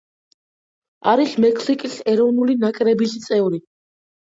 არის მექსიკის ეროვნული ნაკრების წევრი.